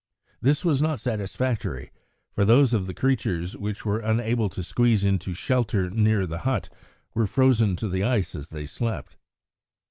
This was not satisfactory, for those of the creatures which were unable to squeeze into shelter near the hut, were frozen to the ice as they slept.